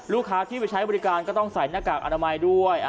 ลูกค้าที่ไปใช้บริการก็ต้องใส่หน้ากากอนามัยด้วย